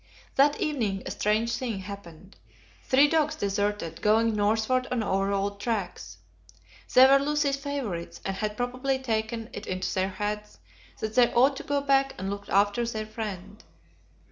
That evening a strange thing happened three dogs deserted, going northward on our old tracks. They were Lucy's favourites, and had probably taken it into their heads that they ought to go back and look after their friend.